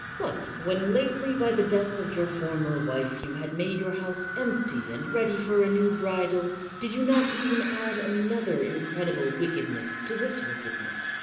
What? when lately by the death of your former wife you had made your house empty and ready for a new bridal, did you not even add another incredible wickedness to this wickedness?